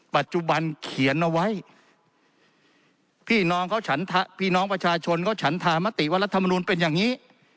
ปัจจุบันเขียนเอาไว้พี่น้องเขาฉันพี่น้องประชาชนเขาฉันธามติว่ารัฐมนุนเป็นอย่างนี้